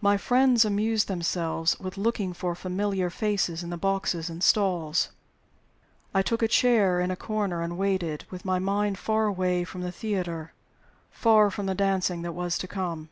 My friends amused themselves with looking for familiar faces in the boxes and stalls. I took a chair in a corner and waited, with my mind far away from the theater, from the dancing that was to come.